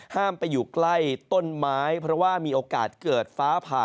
ไปอยู่ใกล้ต้นไม้เพราะว่ามีโอกาสเกิดฟ้าผ่า